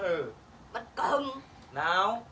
cô phải với nhá